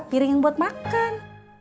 piring yang buat makan